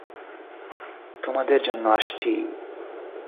তোমাদের জন্য আসছি!